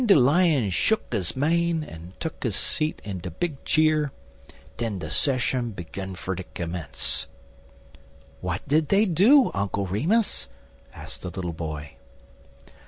En w'en de Lion shuck his mane, en tuck his seat in de big cheer, den de sesshun begun fer ter commence. "What did they do, Uncle Remus?" asked the little boy.